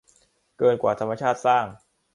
เกินกว่าธรรมชาติสร้าง